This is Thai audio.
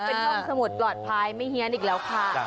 เป็นห้องสมุดปลอดภัยไม่เฮียนอีกแล้วค่ะ